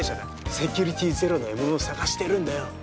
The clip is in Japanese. セキュリティーゼロの獲物を探してるんだよ。